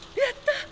やった！